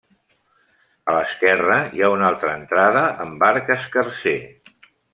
A l'esquerra hi ha una altra entrada amb arc escarser.